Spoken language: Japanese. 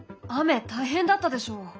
雨大変だったでしょ？